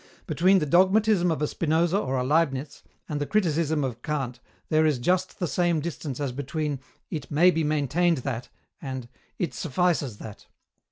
Between the dogmatism of a Spinoza or a Leibniz and the criticism of Kant there is just the same distance as between "it may be maintained that " and "it suffices that